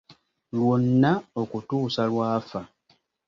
lwonna okutuusa lw’afa.